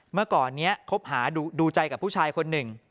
เมื่อก่อนนี้คบหาดูใจกับผู้ชายคนหนึ่ง